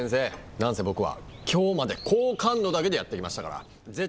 なんせ僕は、きょうまで好感度だけでやってきましたから。